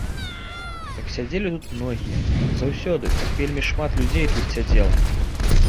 Так сядзелі тут многія, заўсёды так вельмі шмат людзей тут сядзела.